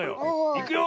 いくよ。